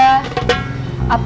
saya cuman pengen tau aja